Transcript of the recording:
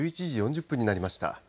１１時４０分になりました。